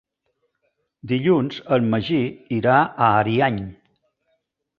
Dilluns en Magí irà a Ariany.